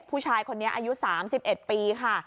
ผู้ชายคนนี้อายุ๓๑ปีค่ะ